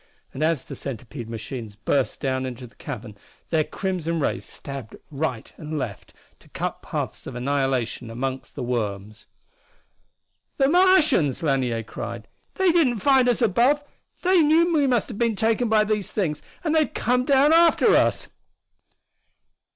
And as the centipede machines burst down into the cavern their crimson rays stabbed right and left to cut paths of annihilation among the worms. "The Martians!" Lanier cried. "They didn't find us above they knew we must have been taken by these things and they've come down after us!"